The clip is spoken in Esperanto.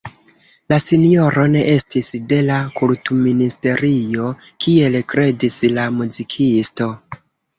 La sinjoro ne estis de la Kulturministerio kiel kredis la muzikisto.